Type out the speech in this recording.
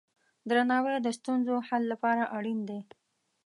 درناوی د ستونزو حل لپاره اړین دی.